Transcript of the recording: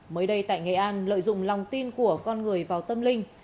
mới đây tại nghệ an lợi dụng lòng tin của con người vào tâm linh